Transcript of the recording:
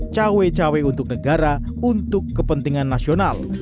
cawe cawe untuk negara untuk kepentingan nasional